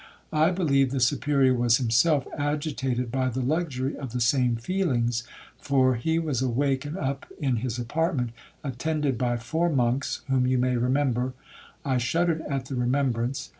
I believe the Superior was himself agitated by the luxury of the same feelings, for he was awake and up in his apartment, attended by four monks, whom you may remember.' I shuddered at the remembrance.